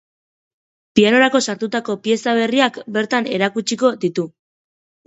Pianorako sortutako pieza berriak bertan erakutsiko ditu.